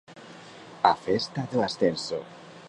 A festa do ascenso.